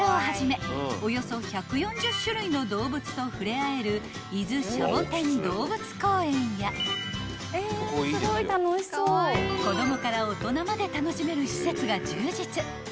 およそ１４０種類の動物と触れ合える伊豆シャボテン動物公園や子供から大人まで楽しめる施設が充実］